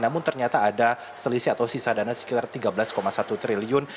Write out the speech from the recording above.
namun ternyata ada selisih atau sisa dana sekitar tiga belas satu triliun